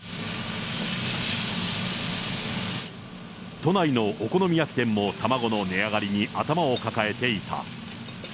都内のお好み焼き店も、卵の値上がりに頭を抱えていた。